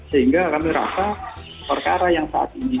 sehingga kami rasa perkara yang saat ini